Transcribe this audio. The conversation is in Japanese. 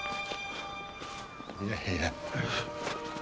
いやいや。